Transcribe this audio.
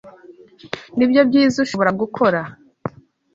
Nibyo byiza ushobora gukora?